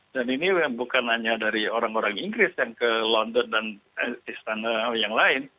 dan ini bukan hanya dari orang orang inggris yang ke london dan istana yang lain